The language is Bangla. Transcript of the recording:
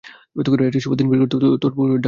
একটা শুভ দিন বের করতেও তোর পুরোহিত ডাকা লাগবে!